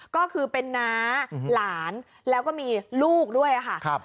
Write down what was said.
ก็คือเป็นน้าหลานแล้วก็มีลูกด้วยค่ะ